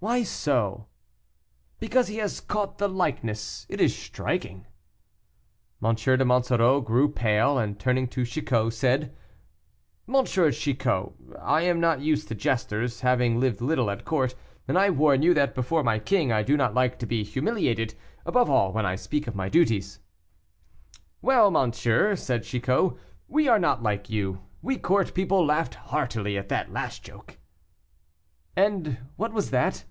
"Why so?" "Because he has caught the likeness; it is striking." M. de Monsoreau grew pale, and turning to Chicot, said: "M. Chicot, I am not used to jesters, having lived little at court, and I warn you that before my king I do not like to be humiliated, above all when I speak of my duties." "Well, monsieur," said Chicot, "we are not like you, we court people laughed heartily at the last joke." "And what was that?"